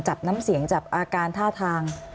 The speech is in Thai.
จับน้ำเสียงจับอาการท่าทาง